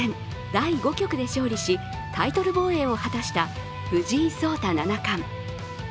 第５局で勝利し、タイトル防衛を果たした藤井聡太七冠。